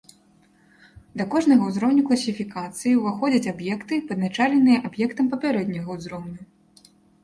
Да кожнага ўзроўню класіфікацыі ўваходзяць аб'екты, падначаленыя аб'ектам папярэдняга ўзроўню.